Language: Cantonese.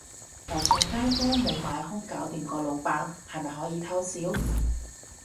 樓上街坊無買兇搞掂個老闆，係咪可以偷笑